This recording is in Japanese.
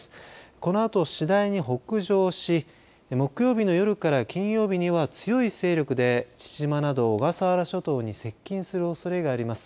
このあと次第に北上し木曜日の夜から金曜日には強い勢力で父島など小笠原諸島に接近するおそれがあります。